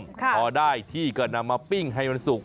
พอได้ที่ก็นำมาปิ้งให้มันสุก